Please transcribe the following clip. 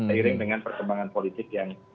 seiring dengan perkembangan politik yang